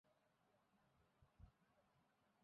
তাঁদের কাছ থেকে জিহাদি বই, লিফলেট ও ডায়েরি উদ্ধার করা হয়েছে।